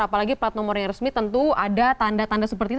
apalagi plat nomor yang resmi tentu ada tanda tanda seperti itu